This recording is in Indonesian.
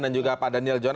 dan juga pak daniel john